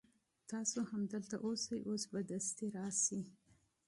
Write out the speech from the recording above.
تاسو هم دلته اوسئ اوس به دستي راسي.